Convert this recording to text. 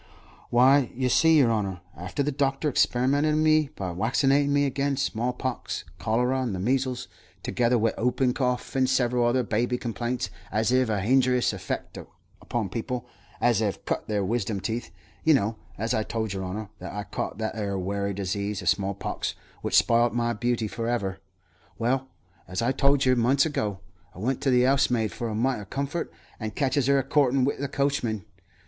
"Why, yer see, yer honour, after the doctor experimented on me by waccinatin' me agin' small pox, cholera, and the measles, together wi' 'oopin' cough and several other baby complaints as 'ev a hinjurious effect upon people as 'ev cut their wisdom teeth, you know as I told yer honour that I caught that 'ere werry disease of small pox which spiled my beauty for ever. Well, as I told yer months ago, I went to the 'ousemaid for a mite 'o comfort, and catches 'er a courtin' wi' the coachman.